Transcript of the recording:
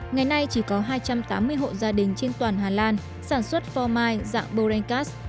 ngày nay chỉ có hai trăm tám mươi hộ gia đình trên toàn hà lan sản xuất phô mai dạng boeingcas